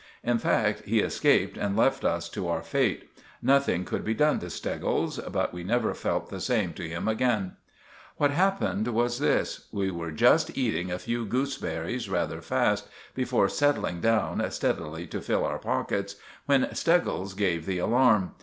In fact, he escaped and left us to our fate. Nothing could be done to Steggles, but we never felt the same to him again. What happened was this. We were just eating a few gooseberries rather fast, before settling down steadily to fill our pockets, when Steggles gave the alarm.